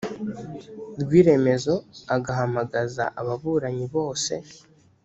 rw iremezo agahamagaza ababuranyi bose